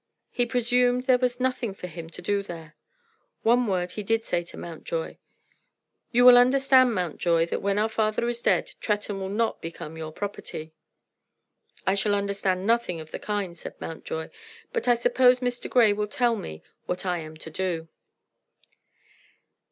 He presumed there was nothing for him to do there. One word he did say to Mountjoy, "You will understand, Mountjoy, that when our father is dead Tretton will not become your property." "I shall understand nothing of the kind," said Mountjoy "but I suppose Mr. Grey will tell me what I am to do."